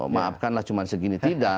maafkanlah cuma segini tidak